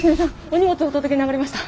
お荷物お届けに上がりました。